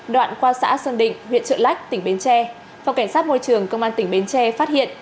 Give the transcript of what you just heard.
đoạn qua xã sơn định huyện trợ lách tỉnh bến tre phòng cảnh sát môi trường công an tỉnh bến tre phát hiện